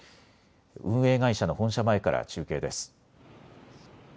運営会社の本社前から中継です。